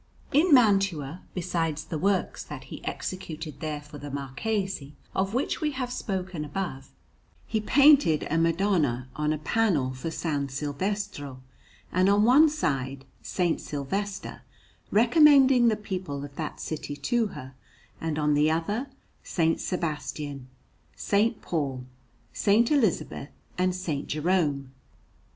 In Mantua, besides the works that he executed there for the Marquis, of which we have spoken above, he painted a Madonna on a panel for S. Silvestro; and on one side, S. Sylvester recommending the people of that city to her, and, on the other, S. Sebastian, S. Paul, S. Elizabeth, and S. Jerome.